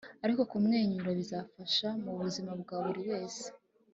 ariko kumwenyura bizafasha mubuzima bwa buri wese